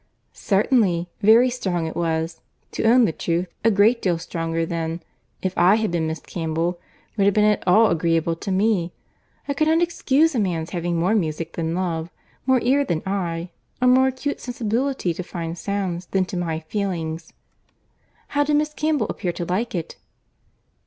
"Certainly—very strong it was; to own the truth, a great deal stronger than, if I had been Miss Campbell, would have been at all agreeable to me. I could not excuse a man's having more music than love—more ear than eye—a more acute sensibility to fine sounds than to my feelings. How did Miss Campbell appear to like it?"